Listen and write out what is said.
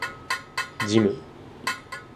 ジム